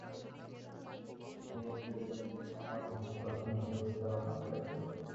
দেশে ফিরেই খবর দিয়ে ডেকে এনেছি আমার বন্ধু, প্রাচীন ভাষাবিশারদ আমির আলীকে।